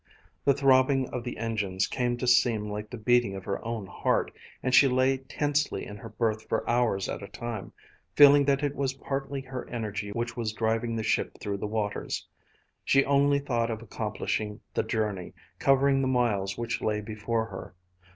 The throbbing of the engines came to seem like the beating of her own heart, and she lay tensely in her berth for hours at a time, feeling that it was partly her energy which was driving the ship through the waters. She only thought of accomplishing the journey, covering the miles which lay before her.